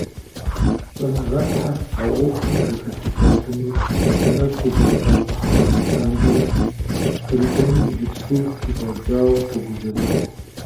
ЩIэныгъэлIхэр, а Iуэхум и зэхэтыкIэ хъунур я нэгу къызэрыщIагъыхьэ лъандэрэ, кърикIуэнум иджыпсту щыщIэдзауэ тогузэвыхь.